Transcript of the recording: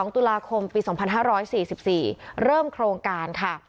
๒ตุลาคมปี๒๕๔๔เริ่มโครงการค่ะ